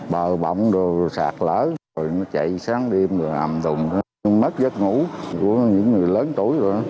bờ bọng rồi sạc lỡ rồi nó chạy sáng đêm rồi ầm thùng mất giấc ngủ của những người lớn tuổi rồi